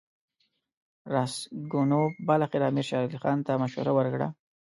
راسګونوف بالاخره امیر شېر علي خان ته مشوره ورکړه.